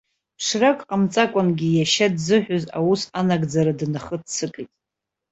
Ԥшрак ҟамҵакәангьы иашьа дзыҳәоз аус анагӡара днахыццакит.